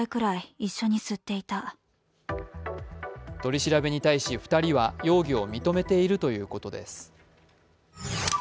取り調べに対し２人は、容疑を認めているということです。